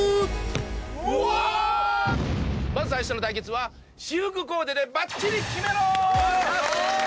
まず最初の対決は私服コーデでバッチリキメろ！